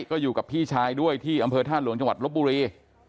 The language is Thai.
ก็อยู่กับพี่ชายด้วยที่อำเภอท่าหลวงจังหวัดลบบุรี